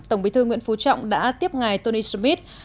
tổng bí thư nguyễn phú trọng đã tiếp ngài tony smith